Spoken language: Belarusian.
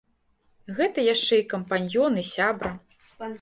Гэта яшчэ і кампаньён, і сябра.